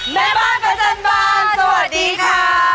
แม่บ้านประจันบานสวัสดีค่ะ